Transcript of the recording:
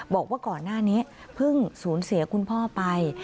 บอกว่าก่อนหน้านี้เพิ่งสูญเสียคุณพ่อไป